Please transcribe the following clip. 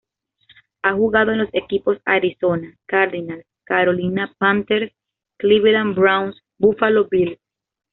Ha jugado en los equipos Arizona Cardinals, Carolina Panthers, Cleveland Browns y Buffalo Bills.